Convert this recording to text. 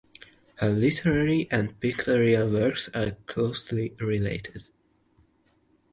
Her literary and pictorial works are closely related.